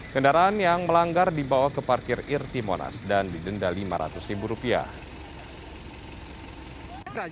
kendaraan yang melanggar dibawa ke parkir irti monas dan didenda lima ratus ribu rupiah